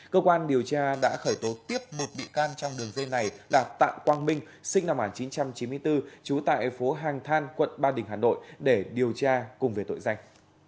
cơ quan điều tra đã khởi tố tiếp một bị can trong đường dây này là tạ quang minh sinh năm một nghìn chín trăm chín mươi bốn trú tại phố hàng than quận ba đình hà nội để điều tra cùng về tội danh